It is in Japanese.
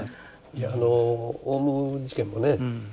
あのオウム事件もね